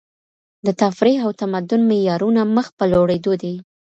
د تفريح او تمدن معيارونه مخ په لوړېدو دي.